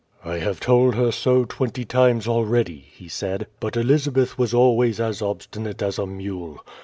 "I have told her so twenty times already," he said; "but Elizabeth was always as obstinate as a mule.